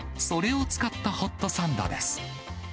それを使ったホットサンドです。